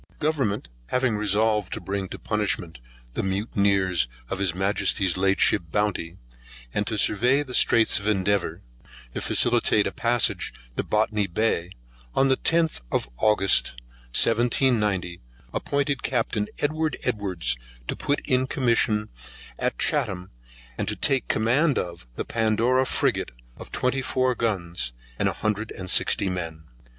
GOVERNMENT having resolved to bring to punishment the mutineers of His Majesty's late ship Bounty, and to survey the Straits of Endeavour, to facilitate a passage to Botany Bay, on the 10th of August 1790, appointed Captain Edward Edwards to put in commission at Chatham, and take command of the Pandora Frigate of twenty four guns, and a hundred and sixty men.